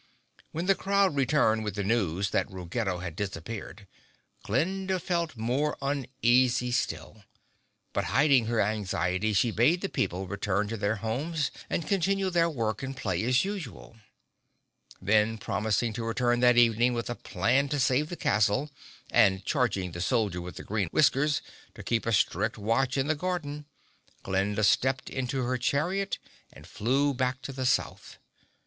When the crowd returned with the news that Ruggedo had disappeared Glinda felt more uneasy still. But hiding her anxiety she bade the people return to their homes and continue their work and play as usual. Then, promising to return that evening with a plan to save the castle, and charging the Soldier with the Green Whiskers to keep a strict watch in the garden, Glinda stepped into her chariot and flew back to the South.